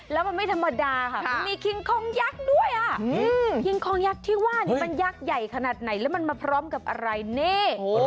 แล้วมันไม่ธรรมดาค่ะมันมีคิงคองยักษ์ด้วยอ่ะคิงคองยักษ์ที่ว่านี่มันยักษ์ใหญ่ขนาดไหนแล้วมันมาพร้อมกับอะไรนี่